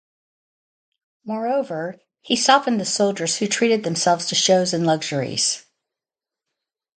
Moreover, he softened the soldiers who treated themselves to shows and luxuries.